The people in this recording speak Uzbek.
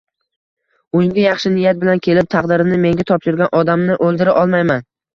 Uyimga yaxshi niyat bilan kelib, taqdirini menga topshirgan odamni o’ldira olmayman.